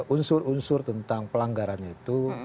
unsur unsur tentang pelanggarannya itu